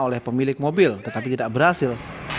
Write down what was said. oleh pemilik mobil tetapi tidak berhasil